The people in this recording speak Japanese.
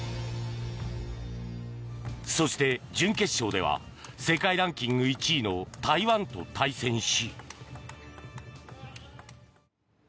そして、準決勝では世界ランキング１位の台湾と対戦し。